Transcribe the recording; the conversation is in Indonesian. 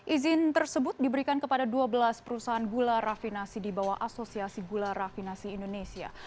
izin tersebut diberikan kepada dua belas perusahaan gula rafinasi di bawah asosiasi gula rafinasi indonesia